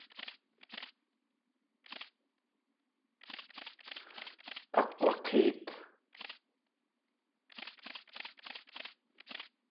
Akg̲wak̲éet.